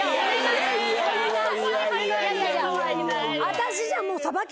私じゃもう。